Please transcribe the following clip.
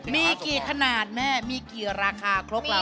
มีกี่ขนาดแม่มีกี่ราคาครกเรา